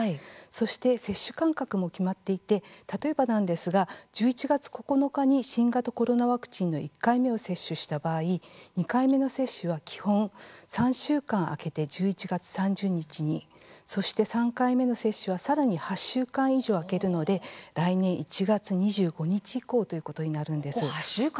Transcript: そして接種間隔も決まっていて例えばなんですが、１１月９日に新型コロナワクチンの１回目を接種した場合、２回目の接種は基本、３週間は空けて１１月３０日にそして、３回目の接種はさらに８週間以上空けるので来年１月２５日以降８週間なんですね。